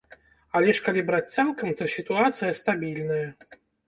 Але ж калі браць цалкам, то сітуацыя стабільная.